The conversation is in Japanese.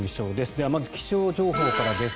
ではまず気象情報からです。